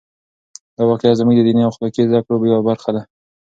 دا واقعه زموږ د دیني او اخلاقي زده کړو یوه برخه ده.